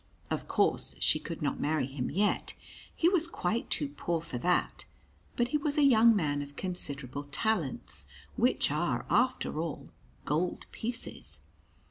Of course she could not marry him yet, he was quite too poor for that, but he was a young man of considerable talents which are after all gold pieces.